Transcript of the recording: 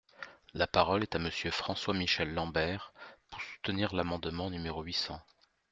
La parole est à Monsieur François-Michel Lambert, pour soutenir l’amendement numéro huit cents.